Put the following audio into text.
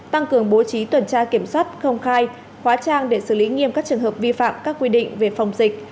tăng cường bố trí tuần tra kiểm soát công khai hóa trang để xử lý nghiêm các trường hợp vi phạm các quy định về phòng dịch